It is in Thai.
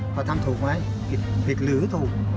เขาทำถูกไหมผิดหรือถูก